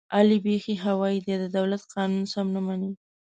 علي بیخي هوایي دی، د دولت قانون هم نه مني.